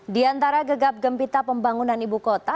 di antara gegap gempita pembangunan ibu kota